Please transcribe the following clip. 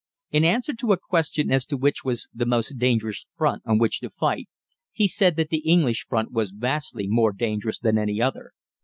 In answer to a question as to which was the most dangerous front on which to fight, he said that the English front was vastly more dangerous than any other.